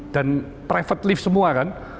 dan private lift semua kan